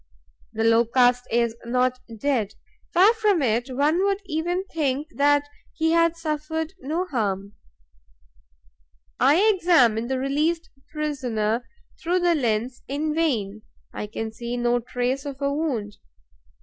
The Locust is not dead, far from it; one would even think that he had suffered no harm. I examine the released prisoner through the lens in vain; I can see no trace of a wound.